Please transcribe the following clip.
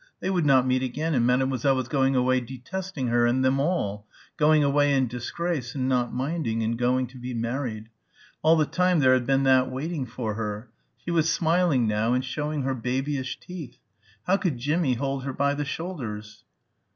They would not meet again and Mademoiselle was going away detesting her and them all, going away in disgrace and not minding and going to be married. All the time there had been that waiting for her. She was smiling now and showing her babyish teeth. How could Jimmie hold her by the shoulders?